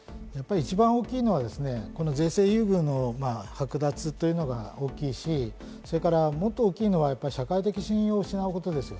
一番大きいのは税制優遇の剥奪が大きいし、それからもっと大きいのは社会的信用を失うことです。